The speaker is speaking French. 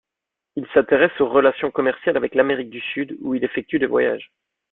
Il s'intéresse aux relations commerciales avec l'Amérique du Sud, où il effectue des voyages.